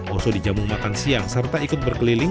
osok dijamu makan siang serta ikut berkeliling